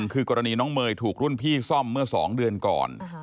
คือกรณีน้องเมย์ถูกรุ่นพี่ซ่อมเมื่อ๒เดือนก่อน